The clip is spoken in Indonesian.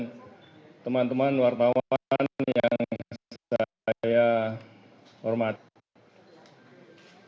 dan teman teman wartawan yang saya hormati